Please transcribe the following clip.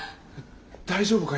大丈夫か？